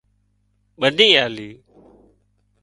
ٻنِي آلي